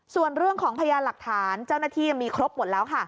ส่วนเรื่องของพยานหลักฐานเจ้าหน้าที่มีครบหมดแล้วค่ะ